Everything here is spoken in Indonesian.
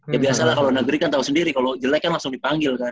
ya biasalah kalau negeri kan tahu sendiri kalau jelek kan langsung dipanggil kan